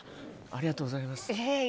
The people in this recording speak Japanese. ありがとうございます。